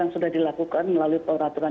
yang sudah dilakukan melalui peraturan